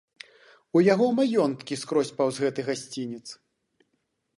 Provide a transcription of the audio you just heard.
У яго маёнткі скрозь паўз гэты гасцінец.